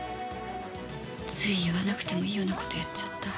つい言わなくてもいいような事を言っちゃった。